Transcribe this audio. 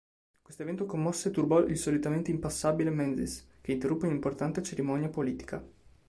Questo evento commosse e turbò il solitamente impassibile Menzies che interruppe un'importante cerimonia politica.